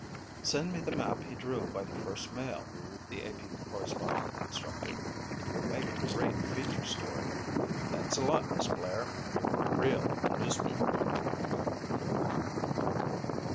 "Send me the map he drew by the first mail," the A.P. correspondent instructed. "It will make a great feature story. Thanks a lot, Miss Blair. You're a real newspaperwoman."